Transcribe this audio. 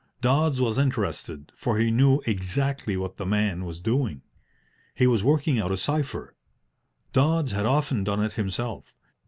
Dodds was interested, for he knew exactly what the man was doing. He was working out a cipher. Dodds had often done it himself.